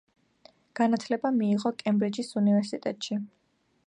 განათლება მიიღო კემბრიჯის უნივერსიტეტში.